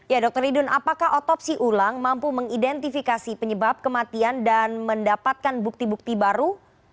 ya dr idun apakah otopsi ulang mampu mengidentifikasi penyebab kematian dan mendapatkan bukti bukti baru